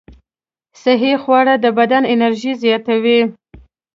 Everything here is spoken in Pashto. صحي خواړه د بدن انرژي زیاتوي.